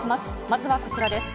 まずはこちらです。